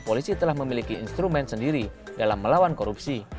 polisi telah memiliki instrumen sendiri dalam melawan korupsi